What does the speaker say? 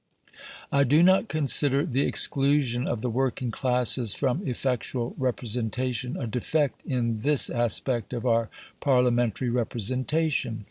I do not consider the exclusion of the working classes from effectual representation a defect in THIS aspect of our Parliamentary representation.